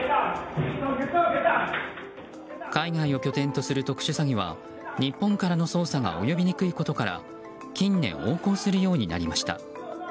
海外を拠点とする特殊詐欺は日本からの捜査が及びにくいことから近年、横行するようになりました。